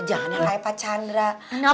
jangan nyalahin pak chandra